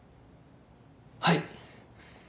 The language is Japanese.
はい。